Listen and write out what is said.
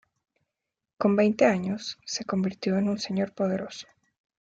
Con veinte años se convirtió en un señor poderoso.